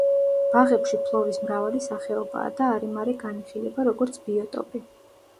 ბაღებში ფლორის მრავალი სახეობაა და არემარე განიხილება, როგორც ბიოტოპი.